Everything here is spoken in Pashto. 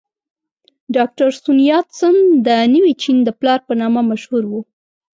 ډاکټر سون یات سن د نوي چین د پلار په نامه مشهور و.